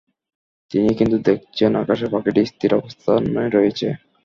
তিনি কিন্তু দেখছেন আকাশের পাখিটি স্থির অবস্থানে রয়েছে।